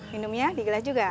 minumnya digelas juga